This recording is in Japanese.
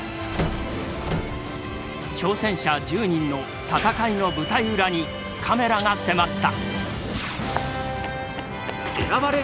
挑戦者１０人の戦いの舞台裏にカメラが迫った。